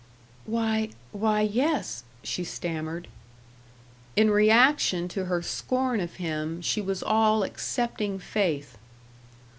"Why, why yes " she stammered. In reaction to her scorn of him, she was all accepting faith.